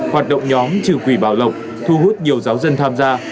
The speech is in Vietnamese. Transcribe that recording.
hoạt động nhóm trừ quỷ bảo lộc thu hút nhiều giáo dân tham gia